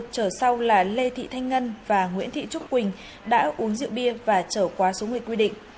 chở sau là lê thị thanh ngân và nguyễn thị trúc quỳnh đã uống rượu bia và chở qua số người quy định